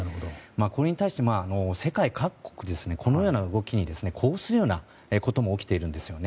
これに対して、世界各国でこのような動きに呼応するようなことが起きています。